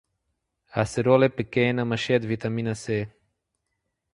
A acerola é pequena, mas cheia de vitamina C.